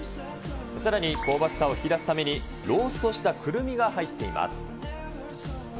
さらに香ばしさを引き出すためにローストしたくるみが入っています。